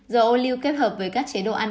dầu lưu kết hợp với các chế độ ăn